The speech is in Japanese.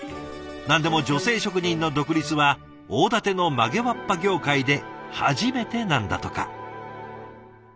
何でも女性職人の独立は大館の曲げわっぱ業界で初めてなんだとか。